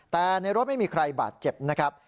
แต่ในรถไม่มีใครบาดเจ็บนะครับ